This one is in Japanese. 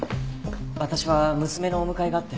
私は娘のお迎えがあって。